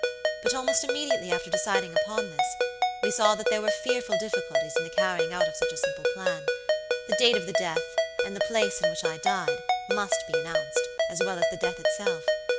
"But almost immediately after deciding upon this, we saw that there were fearful difficulties in the carrying out of such a simple plan. The date of the death, and the place in which I died, must be announced, as well as the death itself.